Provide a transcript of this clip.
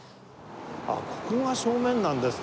あっここが正面なんですか。